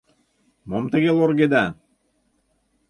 — Мом тыге лоргеда?